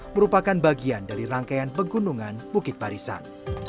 merupakan bagian dari rangkaian pegunungan bukit barisan